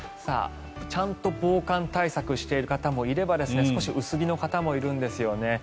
ちゃんと防寒対策している方もいれば少し薄着の方もいるんですよね。